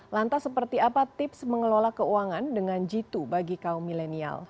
lantas seperti apa tips mengelola keuangan dengan jitu bagi kaum milenial